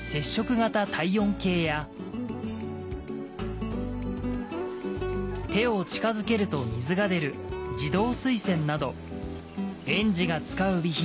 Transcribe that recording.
型体温計や手を近づけると水が出る自動水栓など園児が使う備品